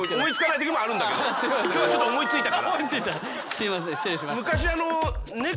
すいません失礼しました。